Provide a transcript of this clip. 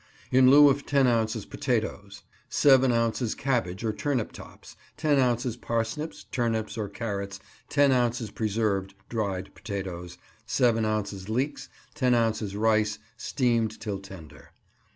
In lieu of ten ounces potatoes: Seven ounces cabbage or turnip tops; ten ounces parsnips, turnips, or carrots; ten ounces preserved (dried) potatoes; seven ounces leeks; ten ounces rice (steamed till tender).